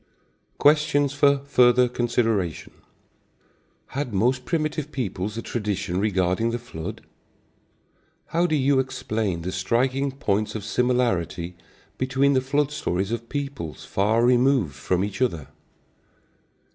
Questions for Further Consideration. Had most primitive peoples a tradition regarding the flood? How do you explain the striking points of similarity between the flood stories of peoples far removed from each other?